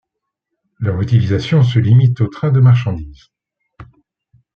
Leur utilisation se limite aux trains de marchandises.